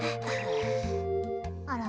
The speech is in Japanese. あら？